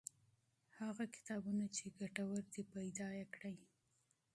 هغه کتابونه چې ګټور دي پیدا کړئ.